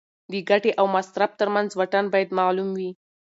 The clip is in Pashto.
د ګټې او مصرف ترمنځ واټن باید معلوم وي.